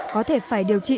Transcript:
có thể phải điều trị